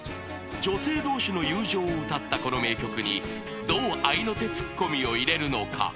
［女性同士の友情を歌ったこの名曲にどう合いの手ツッコミを入れるのか］